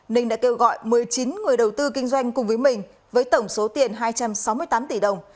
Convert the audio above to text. ninh đã kêu gọi một mươi chín người đầu tư kinh doanh cùng với mình với tổng số tiền hai trăm sáu mươi tám tỷ đồng